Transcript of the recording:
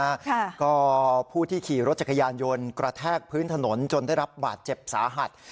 ค่ะก็ผู้ที่ขี่รถจักรยานยนต์กระแทกพื้นถนนจนได้รับบาดเจ็บสาหัส